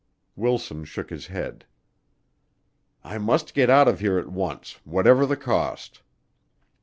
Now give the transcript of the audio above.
Wilson shook his head. "I must get out of here at once, whatever the cost."